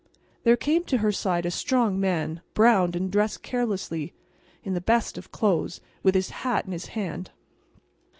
There came to her side a strong man, browned and dressed carelessly in the best of clothes, with his hat in his hand.